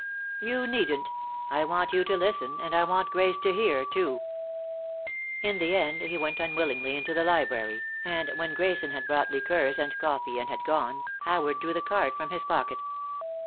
"You needn't. I want you to listen, and I want Grace to hear, too." In the end he went unwillingly into the library, and when Grayson had brought liqueurs and coffee and had gone, Howard drew the card from his pocket.